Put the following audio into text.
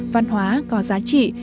văn hóa có giá trị